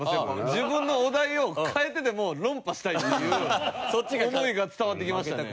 自分のお題を変えてでも論破したいっていう思いが伝わってきましたね。